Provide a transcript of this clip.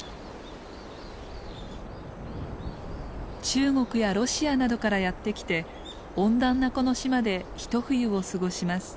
中国やロシアなどからやって来て温暖なこの島で一冬を過ごします。